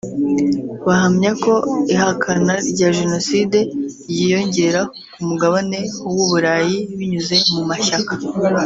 Bahamya ko ihakana rya jenoside ryiyongera ku mugabane w’u Burayi binyuze mu mashyaka